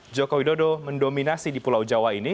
joko widodo mendominasi di pulau jawa ini